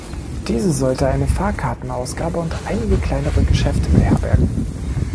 Diese sollte eine Fahrkartenausgabe und einige kleinere Geschäfte beherbergen.